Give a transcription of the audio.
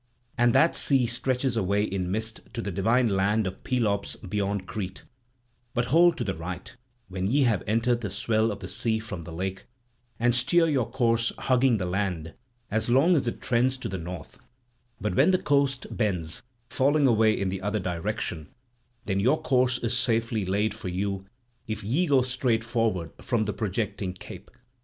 And that sea stretches away in mist to the divine land of Pelops beyond Crete; but hold to the right, when ye have entered the swell of the sea from the lake, and steer your course hugging the land, as long as it trends to the north; but when the coast bends, falling away in the other direction, then your course is safely laid for you if ye go straight forward from the projecting cape.